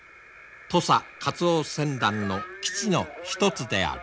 土佐カツオ船団の基地の一つである。